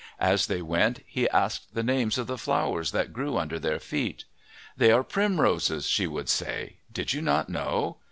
As they went, he asked the names of the flowers that grew under their feet. "These are primroses," she would say. "Did you not know?